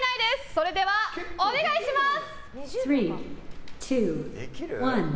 それでは、お願いします！